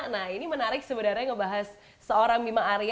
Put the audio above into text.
nah ini menarik sebenarnya ngebahas seorang bima arya